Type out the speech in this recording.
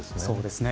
そうですね